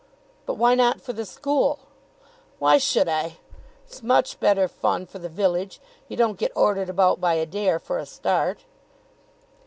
"But why not for the school?" "Why should I? It's much better fun for the village. You don't get ordered about by Adair, for a start."